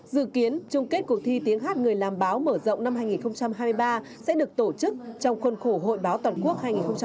dự kiến trung kết cuộc thi tiếng hát người làm báo mở rộng năm hai nghìn hai mươi ba sẽ được tổ chức trong khuôn khổ hội báo toàn quốc hai nghìn hai mươi bốn